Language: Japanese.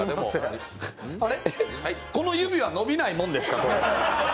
この指は伸びないもんですか？